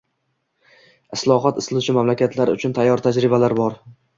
Islohot istovchi mamlakatlar uchun tayyor tajribalar bor.